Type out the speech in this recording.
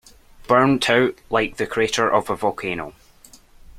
Burnt out like the crater of a volcano.